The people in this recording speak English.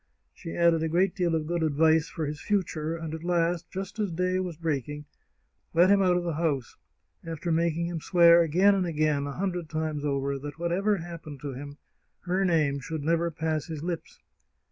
She added a great deal of good advice for his future, and at last, just as day was breaking, let him out of the house, after making him swear again and again, a hundred times over, that, whatever happened to him, her name should never pass his lips.